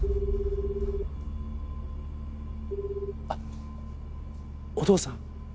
あお父さん？